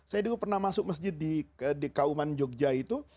saya dulu pernah masuk masjid di kauman jogja itu